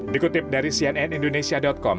dikutip dari cnn indonesia com